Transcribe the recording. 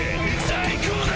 最高だ！